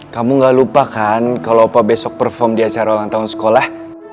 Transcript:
kamu gak lupa kan kalau pak besok perform di acara ulang tahun sekolah